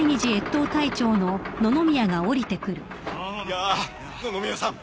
やあ野々宮さん！